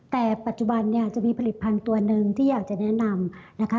แต่ปัจจุบันเนี่ยจะมีผลิตภัณฑ์ตัวหนึ่งที่อยากจะแนะนำนะคะ